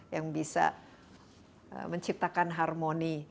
yang bisa menciptakan harmoni